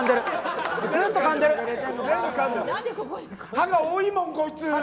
歯が多いもん、こいつ。